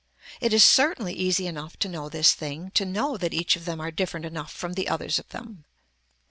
It is certainly easy enough to know this thing to know that each of them are different enough from the others of them.